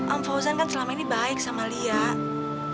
om fauzan kan selama ini baik sama lia